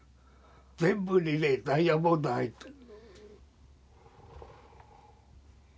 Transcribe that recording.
全部にねダイヤモンド入っとる。